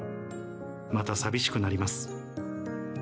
また寂しくなります。